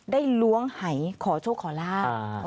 ล้วงหายขอโชคขอลาบ